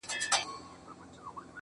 o زه د شرابيانو قلندر تر ملا تړلى يم.